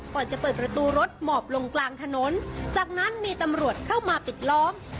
ก่อนจะเปิดประตูรถหมอบลงกลางถนนจากนั้นมีตำรวจเข้ามาปิดล้อม